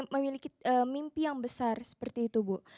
memiliki mimpi yang besar seperti itu bu